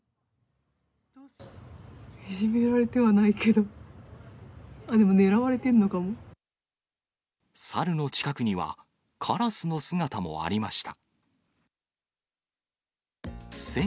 いじめられてはないけど、猿の近くには、カラスの姿もありました。